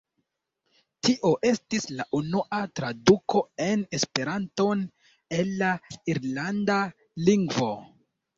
Tio estis la unua traduko en Esperanton el la irlanda lingvo.